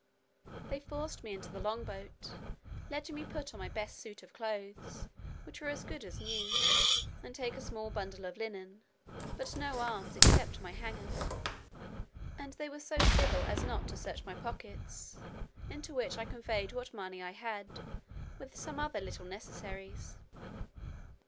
They forced me into the long boat, letting me put on my best suit of clothes, which were as good as new, and take a small bundle of linen, but no arms, except my hanger; and they were so civil as not to search my pockets, into which I conveyed what money I had, with some other little necessaries.